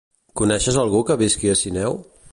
Coneixes algú que visqui a Sineu?